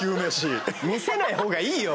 見せないほうがいいよ